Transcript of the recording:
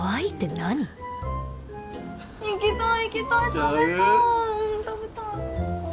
食べたい。